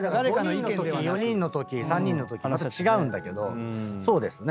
５人のとき４人のとき３人のときまた違うんだけどそうですね。